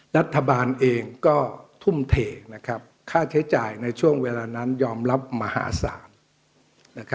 รัฐบาลเองก็ทุ่มเทค่าใช้จ่ายในช่วงเวลานั้นยอมรับมหาศาล